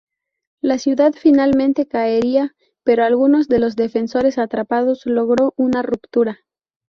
La ciudad finalmente caería, pero algunos de los defensores atrapados logró una ruptura.